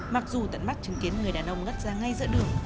mặc dù tận mắt chứng kiến người đàn ông ngất ra ngay giữa đường